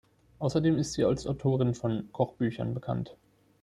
Außerdem ist sie als Autorin von Kochbüchern bekannt.